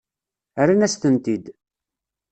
Rran-as-tent-id.